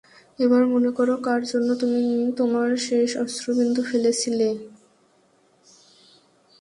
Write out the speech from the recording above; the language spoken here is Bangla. এবার মনে করো কার জন্য তুমি তোমার শেষ অশ্রুবিন্দু ফেলেছিলে।